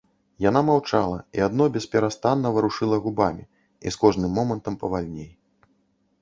Яна маўчала і адно бесперастанна варушыла губамі і з кожным момантам павальней.